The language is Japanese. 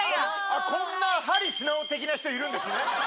こんな針すなお的な人いるんですね。